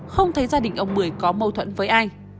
không thấy gia đình ông mười có mâu thuẫn với ai